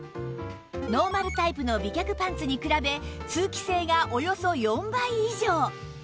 ノーマルタイプの美脚パンツに比べ通気性がおよそ４倍以上